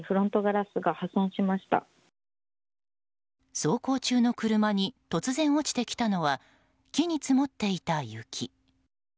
走行中の車に突然、落ちてきたのは木に積もっていた雪。